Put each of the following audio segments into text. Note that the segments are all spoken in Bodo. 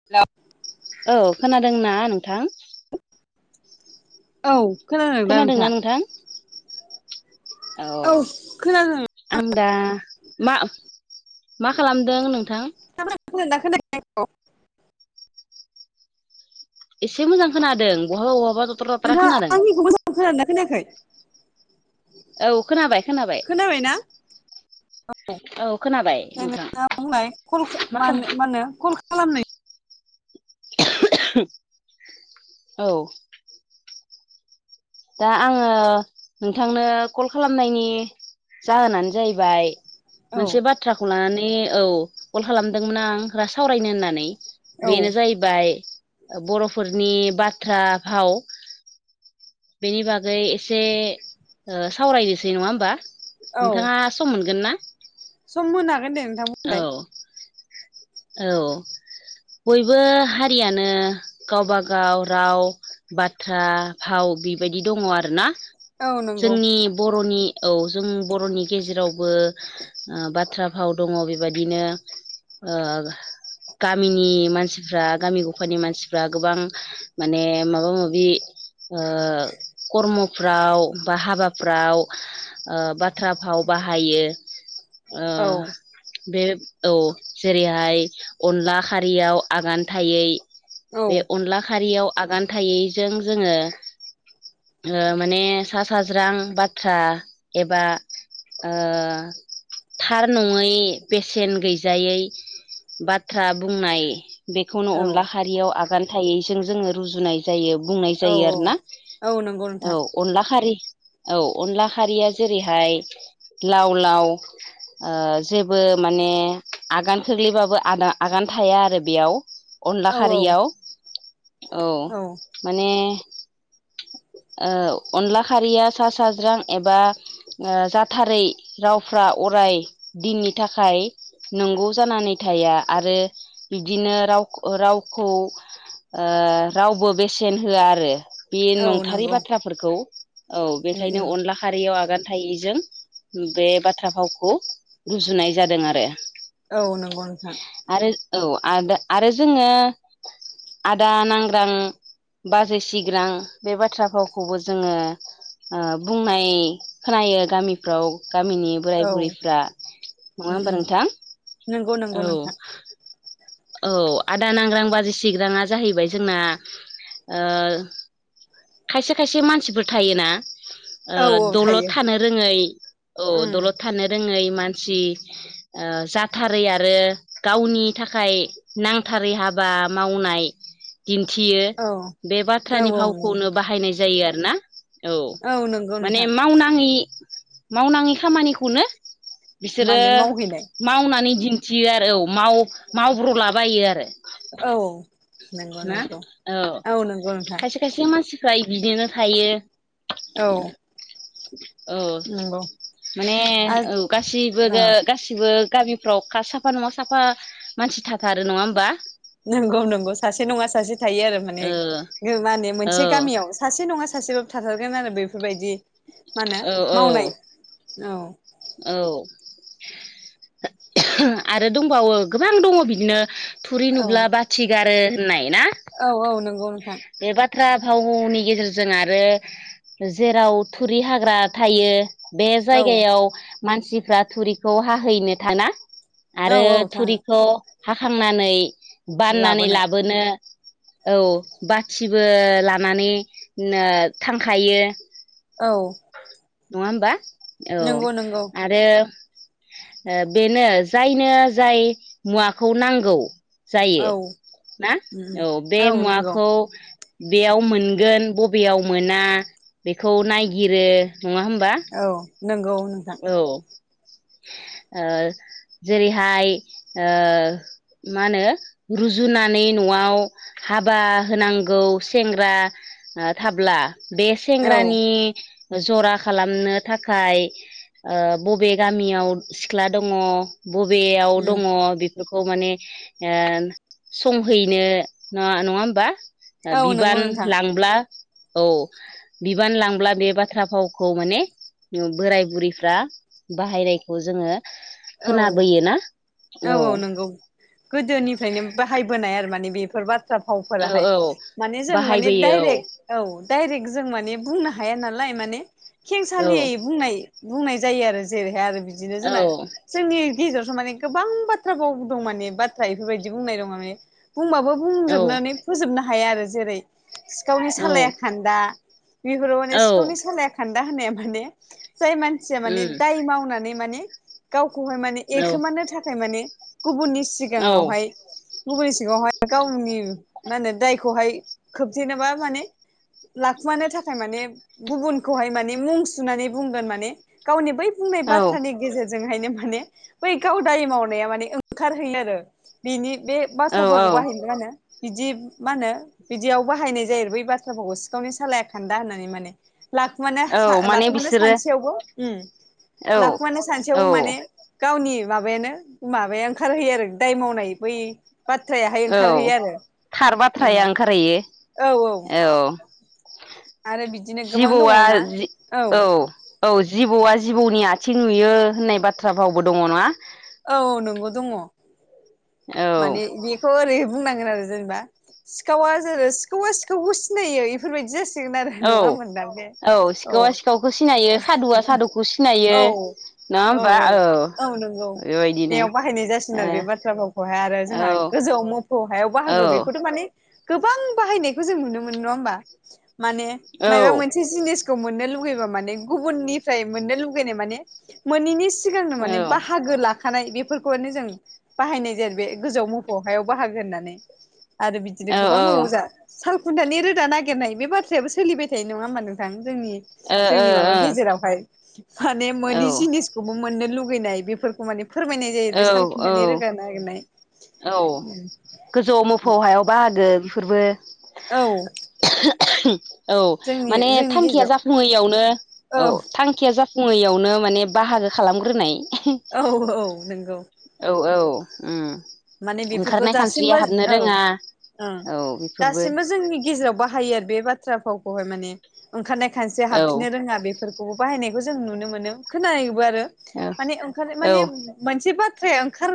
[inaudible] औ खोनादोंना नोंथां? औ खोनादों दा खोनादोंना नोंथाङा नोंथां औ खोनादों आं दा मा मा खालामदों नोंथां मा खोनाख आखौ एसे मोजां खोनादों बहाबा बहाबा दथ्र' दथ्रा नोंथाङा खोनादों आंनिखौबो खोना खोनायाखै औ खोनाबाय खोनाबाय औ खोनाबाय औ नोंथां नों बुंलाय म मा होनो कल खालामनो औ दा आङो नोंथांनो कल खालामनायनि जाहोनानो जाहैबाय औ मोनसे बाथ्राखौ लानानै औ कल खालामदोंमोन आं रा सावरायनो होननानै औ बेनो जाहैबाय बर'फोरनि बाथ्रा भाव बेनि बागै एसे सावरायनोसै नङा होमबा औ नोंथाङा सम मोनगोन ना सम होनो हागोन दे नोंथांमोन औ औ बयबो हारियानो गावब गाव राव बाथ्रा फाव बेबायदि दङ आरोना औ नंगौ जोंनि बर'नि औ जों बर'नि गेजेरावबो बाथ्रा भाव दङ बेबादिनो ओ गामिनि मानसिफ्रा गामि गफानि मानसिफ्रा गोबां माने माबा माबि ओ खर्मफ्राव बा हाबाफ्राव बाथ बाथ्रा फाव बाहायो ओ औ बे औ जेरैहाय अनला खारियाव आगान थायै औ बे अनला खारियाव आगान थायैजों जोङो ओ माने सा साज्रां बाथ्रा एबा ओ थार नङै बेसेन गैज जायै बाथ्रा बुंनाय बेखौनो औ अनला खारियाव आगान फथायैजों जों जोङो रुजुनाय जायो बुंनाय औ जायो औ आरो ना औ नंगौ औ नोंथां अनला खारि औ अनला खारियाव जेरैहाय लाव लाव जेबो माने आगान खख्लैबाबो आ-आगान थाया आरो बेयाव अनला औ औ खारियाव औ माने औ अनला खारिया सा साज्रां एबा जाथारै रावफ्रा अराय दिननि थाखाय नंगौ जानानै थाया आरो बिदिनो राव रावखौ ओ रावबो बेसेन होआ आरो बे औ नंथारै नंगौ बाथ्राफोरखौ औ उम बेखायनो उम अनला खा खारियाव आगान थायैजों बे बाथ्रा भावखौ रुजुनाय जादों आरो। औ नंगौ नोंथां आरो औ आ आरो जोङो आदा नांग्रां बाजै सिग्रां बे बाथ्रा भावखौबो जोङो ओ बुंनाय खोनायो गामिफ्राव गामिनि बोराय औ बुरैफ्रा नङा उम उम होमबा नोंथां नंगौ औ नंगौ नोंथां औ आदा नांग्रां बाजै सिग्रांङा जाहैबाय जोंना खायसे खायसे मानसिफोर थायोना ओ औ औ दलद थायो थानो रोङै औ उम दलद थानो रोङै मानसि ओ जाथारै आरो गावनि थाखाय नांथारै हाबा मावनाय दिन्थियो औ बे औ बाथ्रानि औ फावखौनो बाहायनाय जायो आरोना औ नंगौ माने नोंथां मावनाङै मावनाङि खामानिखौनो बिसोरो माने मावहैनाय मावनानै दिन्थियो आरो औ मावब्र'लाबायो आरो औ नंगौ ना नंगौ औ नंगौ नोंथां खायसे खायसे मानसिफ्रा बिदिनो थायो। औ औ नंगौ माने औ आरो गासैबो ओ गासिबो गामिफ्राव साफा नङा साफा मानसि थाथारो नङा होमबा। नंगौ नंगौ सासे नङा सासे थायो आरो माने ओ मा होनो औ मोनसे गामियाव सासे नङा सासेबाबो थाथारगोन आरो बेफोरबायदि मा होनो औ औ मावनाय औ औ आरो दंबावो गोबां दङ बिदिनो थुरि औ नुब्ला बाथि गारो होननाय ना औ औ नों बे बाथ्रा भावनि गेजेरजों आरो जेराव थुरि हाग्रा थायो बे औ जायगायाव मानसिफ्रा थुरिखौ हाहैनो थाङो ना औ आरो औ थाङो थुरिखौ हाखांनानै बाननानै लाबोनो औ बाथिबो लानानै थांखायो। औ नङा होमबा औ नंगौ नंगौ आरो बेनो जायनो जाय मुवाखौ नांगौ जायो औ ना उम औ बे नंगौ मुवाखौ बेयाव मोनगोन बबेयाव मोना बेखौ नायगिरो नङा होमबा। औ नंगौ नोंथां औ ओ जेरैहाय ओ मा होनो रुजुनानै न'आव हाबा होनांगौ सेंग्रा ओ थाब्ला बे औ सेंग्रानि जरा खालामनो थाखाय ओ बबे गामियाव सिख्ला दङ बबेयाव दङ उम बे बेखौ ओ माने संहैनो ना नङा होमबा औ नंगौ बिबान नोंथां लांब्ला औ बिबान लांब्ला बे बाथ्रा फावखौ माने बोराय बुरै फ्रा बाहायनायखौ जोङो औ खोनाबोयोना। औ औ नंगौ गोदोनिफ्रायनो बाहायबोनाय आरो माने बेफोर बाथ्रा औ फावफोराहाय औ माने जों माने बाहायबोयो डाइरेक्ट औ दडाइरेक्ट जों माने बुंनो हाया नालाय माने औ खेंसालियै बुंनाय बुंनाय जायो आरो जेरैहाय आरो बिदिनो औ जोंना जोंनि गेजेरावथ' माने गोबां बाथ्राबाव दं माने बाथ्रा इफोरबायदि बुंनाय दं माने बुंबाबो औ बुंजोबनानै फोजोबनो हाया आरो जेरै सिखावनि सालाया खान्दा बेफोराव माने औ सिखावनि सालाया खान्दा होन माने जाय मानसिया माने उम दाय मावनानै माने गावखौहाय माने औ एखोमानो थाखाय माने गुबुननि औ सिगाङावहाय गुबुननि सिगावहाय गावनि मा होनो दायखौहाय खोबथेनोबा माने लाखुमानो थाखाय माने गुबुनखौहाय माने मुं सुनानै बुंगोन माने गावनि बै बुंनाय औ बाथ्रानि गेजेरजोंहायनो माने गावदाय मावनाया माने ओंखारहैयो आरो बिनि बे बाथ्रा औ औ भावखौ बाहायनायखो मा होनो बिदि मा होनो बिदियाव बाहायनाय जायो आरो बै बाथ्राफोरखौ सिखावनि सालाया खान्दा होननानै माने लाख औ लाखुमानो माने लाखुमानो बिसोरो सानसेयावबो औ लाखुमानो औ सानसेयावबो माने गावनि माबायानो माबाया ओंखारहोयो आरो दाय मावनाय बै बाथ्रायाहाय औ ओंखारहैयो थार आरो बाथ्राया ओंखारहैयो औ औ औ आरो बिदिनो गोबां जिबौआ दंबावो ना औ औ जिबौआ जिबौनि आथिं नुयो होननाय बाथ्रा भावबो दङ नङा औ नंगौ दङ औ माने बे खौ ओरै बुंनांगोन आरो जेनेबा सिखावा सो सिखावा सिखावखौ सिनायो इफोरबायदि जा गोन आरो औ नङा औ सिखावा सिखावखौ सिनायो [unintelligible] औ सादुआ सादुखौ सिनायो औ नङा औ होमबा औ औ नंगौ। बेबायदिनो बेयाव बाहायनाय जासिग आरो बे गोजौआव बाथ्राफोरखौहाय आरो जोंहा गोजौआव मोफौ हायाव बाहागो बेखौथ' माने गोबां बाहायनायखौ जों नुनो मोनो नङा होमबा माने मायबा मोनसे जिनिसखौ मोननो लुगैबा माने गुबुननिफ्राय मोननो लुगैनाय माने मोनैनि सिगांनो माने बाहागो ला खानाय बेफोरखौनो जों बाहायनाय जायो बे गोजौ मोफौ हायाव बाहागो होननानै। आरो बिदिनो गोबां न'आव जा सालखुन्थानि रोदा नागिरनाय बे बाथ्रायाबो सोलिबाय थायो नङा होनबा नों थां जोंनि जोंनि माबा गेजेरावहाय माने मोनि जिनिस खौबो मोननो लुगैनाय बेफोरखौ माने फोरमायनाय जायो बे साल खुनथानि रोदा नागिरनाय औ गोजौआव मोफौ हायाव बाहागो बेफोरबो औ। [unintelligible] औ जोंनि माने जोंनि थांखिया गेजेराव जाफुङैयावनो औ थांखिया जा फुङैयावनो माने बाहागो खालामग्रोनाय औ औ नंगौ। औ औ ओ माने ओंखारनाय खानस्रिया हाबनो रोङा। ओ औ बेफोरबो दासिमबो जोंनि गेजेराव बाहायो आरो बे बाथ्रा फावखौहाय माने ओंखारनाय खानसेया औ हाबफिननो रोङा बेफोरखौबो बाहायनायखौ जों नुनो मोनो। खोनायोबो आरो औ माने ओंखार औ माने मोनसे बाथ्राया ओंखार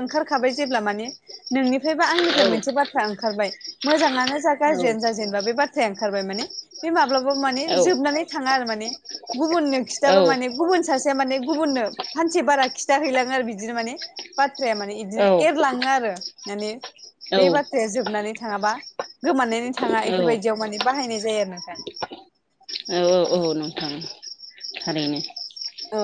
ओंखार खाबाय जेब्ला माने नोंनिफ्राय बा आंनिफ्राय मोनसे औ बाथ्रा ओंखारबाय मोजाङानो जा औ गाज्रियानो जा जेनबा बे बाथ्राया ओंखारबाय माने बे माब्लाबा माने औ जोबनानै थाङा आरो माने गुबुननो खिथाबा माने गुबुन सासेया माने गुबुननो फानसे बारा खिथाहैलाङो आरो बिदिनो माने बाथ्राया माने इदिनो लाङो आरो माने बै बाथ्राया जोबनानै थाङाबा गोमनायनि थाङा औ इफोरबायदियाव माने बाहायनाय जायो आरो नोंथां। औ औ औ नोंथां थारैनो। औ।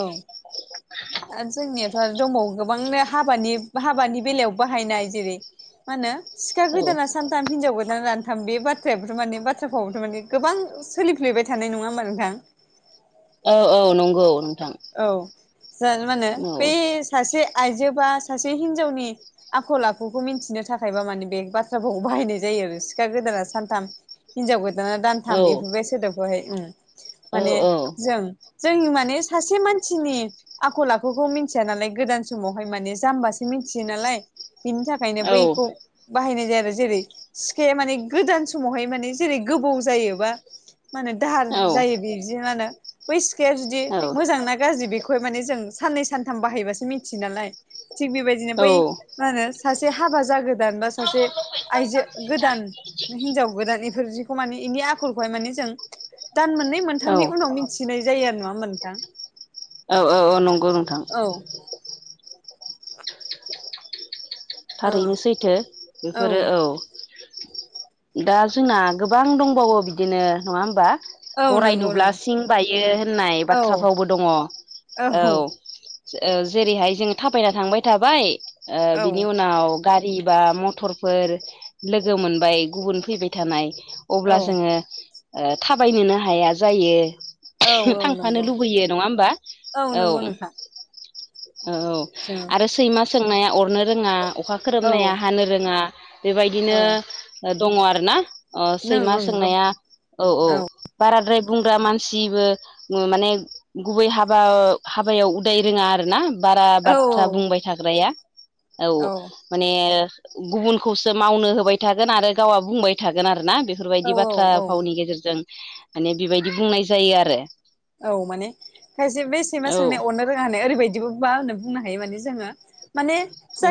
आरो जोंनियाथ' आरो दंबावो गोबांनो हाबानि हाबानि बेलायाव बाहायनाय जेरै - मा होनो सिखा औ गोदाना सान थाम हिनजाव गोदाना दानथाम बे बाथ्रायाबोथ' माने बाथ्रा भावाबोथ' माने गोबां सोलिफ्लेबाय थानाय नङा होमबा नोंथां! औ औ नंगौ नोंथां। औ जा मा होनो औ बे सासे आइजो बा सासे हिनजावनि आखल आखुखौ मिन्थिनो थाखायबा माने बे बाथ्रा भाव बाहायनाय जायो आरो सिखा गोदाना सानथाम हिनजाव गोदाना औ दानथाम एफैबाय सोदोबखौहाय औ माने औ जों जोंनि माने सासे मानसिनि आखल आखुखौ मिथिया नालाय गोदान समावहाय माने जाम्बासो मिथियो नालाय। बिनि थाखायनो बैखौ बाहायनाय जायो आरो जेरै सिखाया माने गोदान समावहाय माने जेरै गोबौ जायो बा माने दाहार जायो बिदि मा होनो बै सिखाया जुदि मोजां ना गाज्रि बेखौहाय माने जों साननै सानथाम बाहायबासो मिथियो नालाय थिग बेबादि बिदिनो बै मा होनो सासे हाबा जागोदान बा सासे आयजो गोदान हिनजाव गोदान बेफोर जिखौ माने बेनि आखलखौहाय माने जों दान मोननै औ मोनथामनि उनाव मिथिनाय जायो आरो नङा होमबा नोंथां! औ औ नंगौ नोंथां। औ। [inaudible] थारैनो सैथो बेफोरो औ दा जोंना गोबां दंबावो बिदिनो नङा होमबा? औ गराय नंगौ नुब्ला नंगौ सिं बायो होननाय औ बाथ्राफ्रावबो दङ औ औ ओ जेरैहाय जों थाबायना थांबाय थाबाय ओ औ बिब उनाव गारि बा मटरफोर लोगो मोनबाय गुबुन फैबाय थानाय अब्ला औ जोङो ओ थाबायनोनो हाया जायो औ औ थांफानो नंगौ लुबैयो नङा होमबा औ नंगौ नोंथां औ जों आरो सैमा सोंनाया अरनो रोङा अखा औ खोरोमनाया हानो रोङा बेबायदिनो औ दङ आरोना ओ नों सैमा ओं गोब सोंनाया औ औ बाराद्राय बुंग्रा मानसिबो माने गुबै हाबा हाबायाव उदाय रोङा आरोना बारा औ बाथ्रा बुंबाय थाग्राया औ माने गुबुनखौसो मावनो होबाय थागोन आरो गावा बुंबाय थागोन आरोना बेफ औ बेफोरबायदि बाथ्रा औ भावनि गेजेरजों माने बेबायदि बुंनाय जायो आरो औ माने खायसे बे सैमा औ सोंनाया अरनो ओरैबायदिबो मा होनो बुंनो हायो मान जोङो माने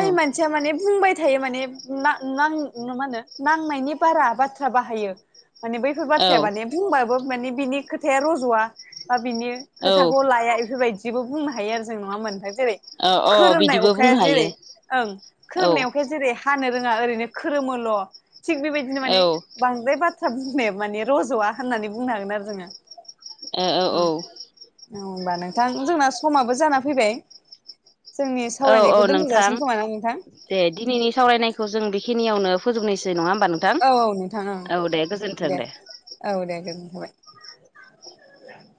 औ मान सिया माने बुंबाय थायो माने मा मा मा होनो नांनायनि बारा बाथ्रा बाहायो माने बैफोर औ बाथ्राया माने बुंबाबो माने बिनि खोथाया रज'वा बा बिनि औ खोथाखौ लाया इफोरबायदिबो बुंनो हायो आरो जों नङा होमबा नोंथां जेरै औ औ खोरोमनाय बिदिबो अखाया बुंनो हायो जेरै ओं औ खोरोमनाय अखाया जेरै हानो रोङा ओरैनो खोरोमोल' थिग बेबायदिनो औ माने ओ बांद्राय बाथ्रा बुंनो माने रज'वा होननानै बुंनो हागोन आरो जोङो औ औ होनबा नोंथां जोंना समाबो जाना फैबाय जोंनि औ औ सावरायनायखौ नोंथां दोनथ'जासिगोन खोमा ना नोंथां दे दिनैनि सावरायनायखौ जों बेखिनियावनो फोजोबनोसै नङा होमबा नों औ औ नोंथाङा ओं दे औ दे गोजोनथाबाय